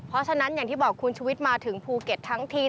เพราะฉะนั้นอย่างที่บอกคุณชุวิตมาถึงภูเก็ตทั้งที